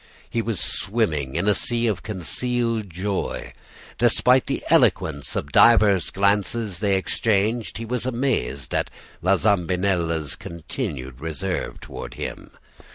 He was swimming in a sea of concealed joy. Despite the eloquence of divers glances they exchanged, he was amazed at La Zambinella's continued reserve toward him.